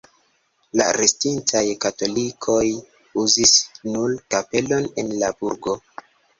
La restintaj katolikoj uzis nur kapelon en la burgo.